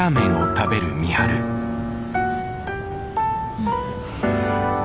うん。